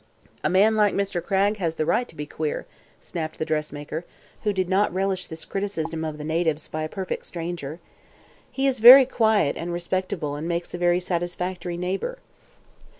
"A man like Mr. Cragg has the right to be queer," snapped the dressmaker, who did not relish this criticism of the natives by a perfect stranger. "He is very quiet and respectable and makes a very satisfactory neighbor."